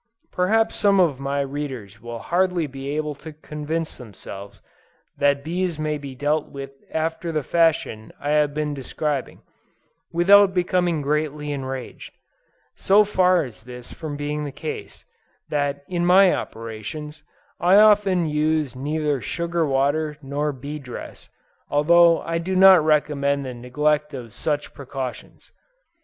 Perhaps some of my readers will hardly be able to convince themselves that bees may be dealt with after the fashion I have been describing, without becoming greatly enraged; so far is this from being the case, that in my operations, I often use neither sugar water nor bee dress, although I do not recommend the neglect of such precautions.